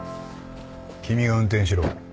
君が運転しろ。